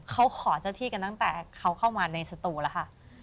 เขาขอเจ้าที่กันตั้งแต่เขาเข้ามาในสตูแล้วค่ะ